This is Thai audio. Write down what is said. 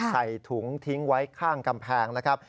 ใส่ถุงทิ้งไว้ข้างกำแพงนะครับ